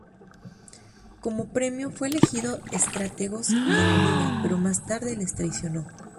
Como premio, fue elegido strategos de la Liga, pero más tarde les traicionó.